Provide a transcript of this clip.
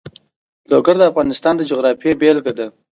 لوگر د افغانستان د جغرافیې بېلګه ده.